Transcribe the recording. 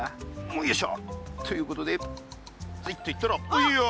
よいしょということでズイッといったらエイヤー！